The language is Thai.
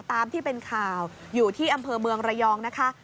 ตามที่เป็นข่าวอยู่ที่อำเภอเมืองระยองนะคะ